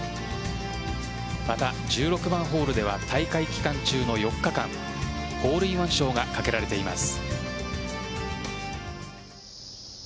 また、１６番ホールでは大会期間中の４日間ホールインワン賞がかけられています。